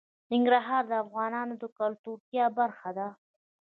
ننګرهار د افغانانو د ګټورتیا برخه ده.